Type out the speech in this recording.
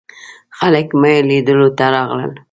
خلک مو لیدلو ته راغلل.